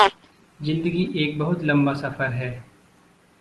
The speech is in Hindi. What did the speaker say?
ज़िन्दगी एक बहुत लम्बा सफ़र है।